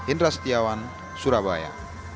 indra setiawan surabaya